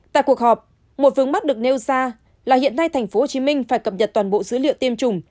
tại cuộc họp một vướng mắt được nêu ra là hiện nay tp hcm phải cập nhật toàn bộ dữ liệu tiêm chủng